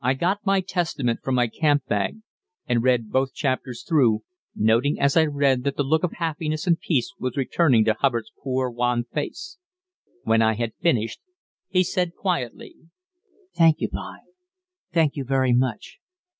I got my testament from my camp bag and read both chapters through, noting as I read that the look of happiness and peace was returning to Hubbard's poor, wan face. When I had finished, he said quietly: "Thank you, b'y, thank you very much.